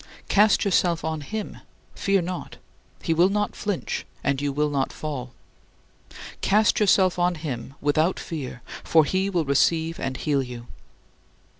Cast yourself on him; fear not. He will not flinch and you will not fall. Cast yourself on him without fear, for he will receive and heal you."